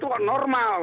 itu kan normal